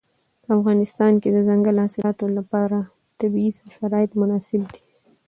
په افغانستان کې د دځنګل حاصلات لپاره طبیعي شرایط مناسب دي.